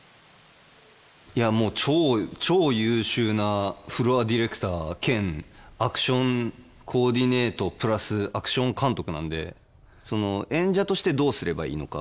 いやもう超優秀なフロアディレクター兼アクションコーディネートプラスアクション監督なんで演者としてどうすればいいのか。